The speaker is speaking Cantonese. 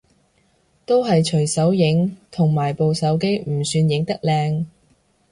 都係隨手影，同埋部手機唔算影得靚